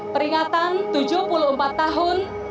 peringatan tujuh puluh empat tahun